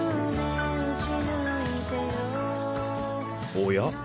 おや？